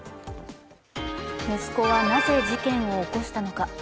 息子はなぜ事件を起こしたのか。